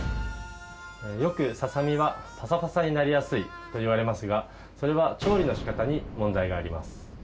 よくささみはパサパサになりやすいといわれますがそれは料理の仕方に問題があります。